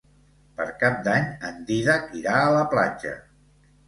Per Cap d'Any en Dídac irà a la platja.